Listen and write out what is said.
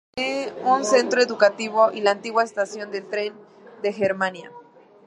Posee un centro educativo y la Antigua Estación del Tren de Germania.